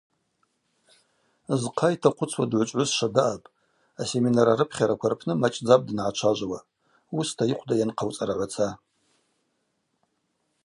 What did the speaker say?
Зхъа йтахъвыцуа дгӏвычӏвгӏвысшва даъапӏ – асеминар арыпхьараква рпны мачӏдзапӏ дангӏачважвауа, уыста йыхъвда йанхъауцӏарагӏваца.